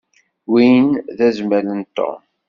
Win d azmal n Tom.